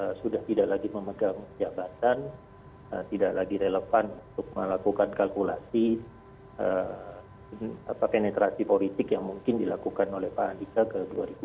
karena sudah tidak lagi memegang jabatan tidak lagi relevan untuk melakukan kalkulasi penetrasi politik yang mungkin dilakukan oleh pak andika ke dua ribu dua puluh